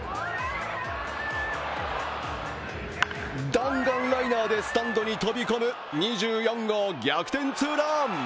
弾丸ライナーでスタンドに飛び込む２４号逆転ツーラン！